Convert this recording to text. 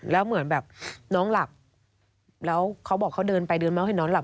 แล้วเหมือนแบบน้องหลับแล้วเขาบอกเขาเดินไปเดินมาให้น้องหล